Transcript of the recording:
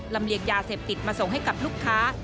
เลียงยาเสพติดมาส่งให้กับลูกค้า